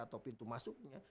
atau pintu masuknya